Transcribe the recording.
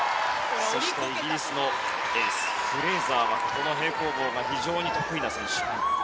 そしてイギリスのエースフレーザーはこの平行棒が非常に得意な選手。